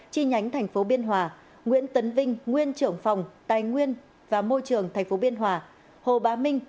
chi nhánh tp biên hòa nguyễn tấn vinh nguyên trưởng phòng tài nguyên và môi trường tp biên hòa hồ bá minh